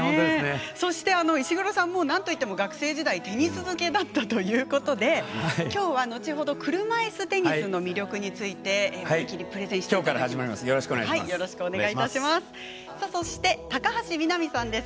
そして、石黒さんなんといっても学生時代テニス漬けだったということできょうは、後ほど車いすテニスの魅力についてプレゼンしていただきます。